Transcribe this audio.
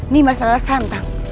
nih mas rara santang